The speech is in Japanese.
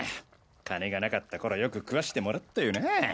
金がなかった頃よく食わしてもらったよなぁ。